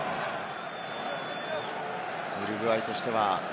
ウルグアイとしては。